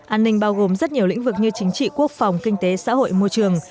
an ninh bao gồm rất nhiều lĩnh vực như chính trị quốc phòng kinh tế xã hội môi trường